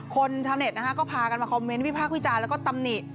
คนทางเน็ตนะคะภากภาคพี่จานแล้วก็ตำนิ